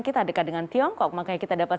kita dekat dengan tiongkok makanya kita dapat